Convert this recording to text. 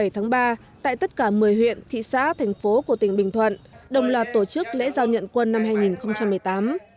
một mươi tháng ba tại tất cả một mươi huyện thị xã thành phố của tỉnh bình thuận đồng loạt tổ chức lễ giao nhận quân năm hai nghìn một mươi tám